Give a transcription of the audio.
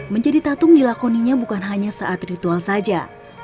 menjadi tatung dilakoninya bukan hanya saat ritual saja